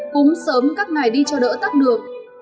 cúng sớm các ngày đi cho đỡ tắt đường